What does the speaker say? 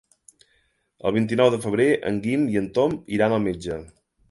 El vint-i-nou de febrer en Guim i en Tom iran al metge.